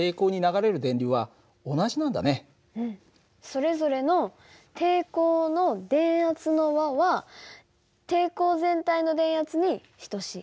それぞれの抵抗の電圧の和は抵抗全体の電圧に等しい。